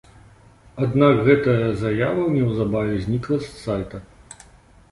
Аднак гэтая заява неўзабаве знікла з сайта.